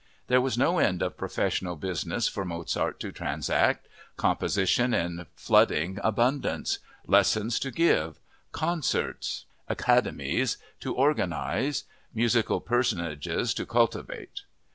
There was no end of professional business for Mozart to transact—composition in flooding abundance, lessons to give, concerts ("academies") to organize, musical personages to cultivate.